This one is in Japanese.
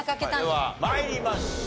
では参りましょう。